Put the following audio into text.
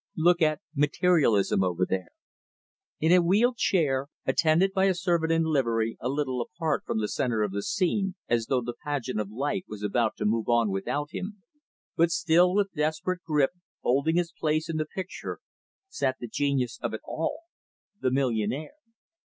Look at 'Materialism', over there." In a wheeled chair, attended by a servant in livery, a little apart from the center of the scene, as though the pageant of life was about to move on without him, but still, with desperate grip, holding his place in the picture, sat the genius of it all the millionaire.